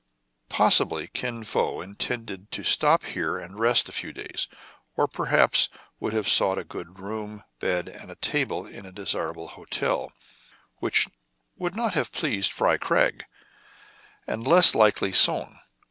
Possibly Kin Fo intended to stop here and rest a ., few days, or, perhaps, would have sought a good room, bed, and table in a desirable hotel, — which 130 TRIBULATIONS OF A CHINAMAN. would not have displeased Fry Craig, and less likely Soun.